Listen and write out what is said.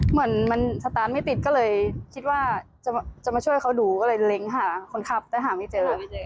เหมือนมันสตาร์ทไม่ติดก็เลยคิดว่าจะมาช่วยเขาดูก็เลยเล้งหาคนขับแต่หาไม่เจอ